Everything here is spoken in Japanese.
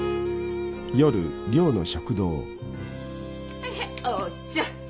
はいはいお茶。